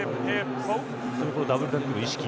ダブルタックル意識。